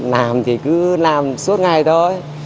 làm thì cứ làm suốt ngày thôi